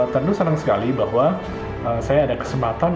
tentu senang sekali bahwa saya ada kesempatan